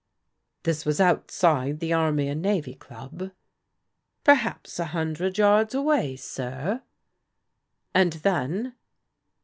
" This was outside the Army and Navy Qub ?"" Perhaps a hundred yards away, sir." "And then?"